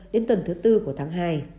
đến tuần thứ bốn của tháng hai